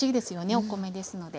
お米ですので。